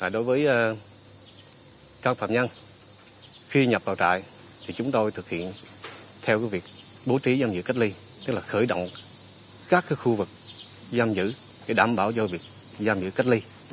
đối với các phạm nhân khi nhập vào trại thì chúng tôi thực hiện theo việc bố trí giam giữ cách ly tức là khởi động các khu vực giam giữ để đảm bảo cho việc giam giữ cách ly